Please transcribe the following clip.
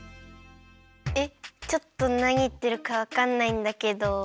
えっちょっとなにいってるかわかんないんだけど。